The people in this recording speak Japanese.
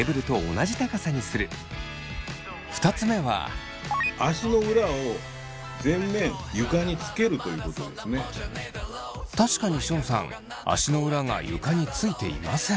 確かにションさん足の裏が床についていません。